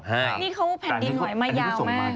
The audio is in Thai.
นี่เขาผ่านดินไหว้มายาวแม่